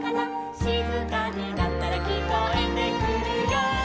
「しずかになったらきこえてくるよ」